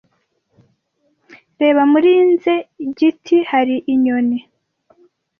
Reba! Muriinze giti hari inyoni.